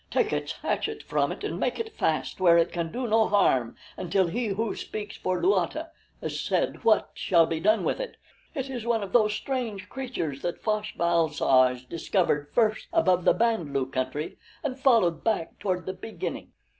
Take its hatchet from it and make it fast where it can do no harm until He Who Speaks for Luata has said what shall be done with it. It is one of those strange creatures that Fosh bal soj discovered first above the Band lu country and followed back toward the beginning.